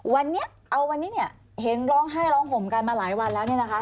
วันนี้เอาวันนี้เนี่ยเห็นร้องไห้ร้องห่มกันมาหลายวันแล้วเนี่ยนะคะ